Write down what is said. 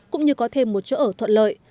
cũng như có thêm một chỗ ở thuận lợi